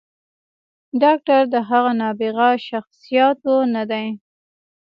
“ډاکتر د هغه نابغه شخصياتو نه دے